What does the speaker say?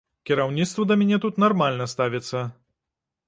Кіраўніцтва да мяне тут нармальна ставіцца.